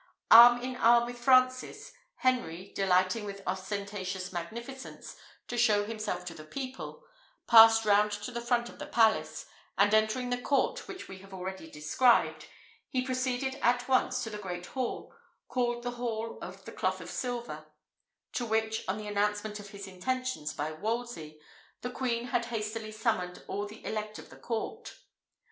Arm in arm with Francis, Henry, delighting with ostentatious magnificence to show himself to the people, passed round to the front of the palace; and entering the court which we have already described, he proceeded at once to the great hall, called the Hall of the Cloth of Silver, to which, on the announcement of his intentions by Wolsey, the queen had hastily summoned all the elect of the court.